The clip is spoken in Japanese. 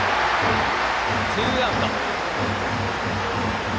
ツーアウト。